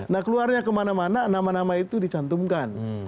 nah keluarnya kemana mana nama nama itu dicantumkan